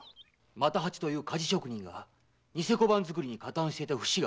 又八という鍛冶職人が偽小判作りに加担していた節があります。